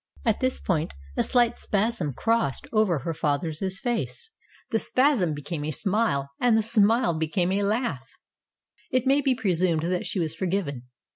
At this point a slight spasm crossed over her father's face. The spasm became a smile, and the smile be came a laugh. 254 STORIES WITHOUT TEARS It may be presumed that she was forgiven.